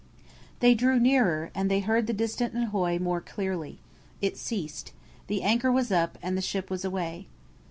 They drew nearer, and they heard the distant "ahoy" more clearly. It ceased. The anchor was up, and the ship was away.